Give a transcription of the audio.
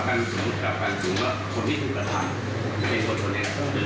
แต่ว่าช่างไม่ได้กับความรักผิดชุดแหล่ะเลย